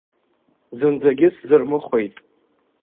Зынӡагьы сзырмыхәеит.